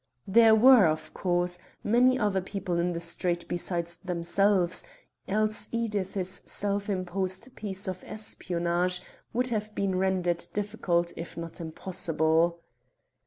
There were, of course, many other people in the street besides themselves, else Edith's self imposed piece of espionage would have been rendered difficult, if not impossible.